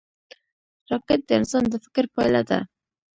راکټ د انسان د فکر پایله ده